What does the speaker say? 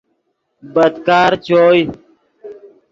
بدکار چوئے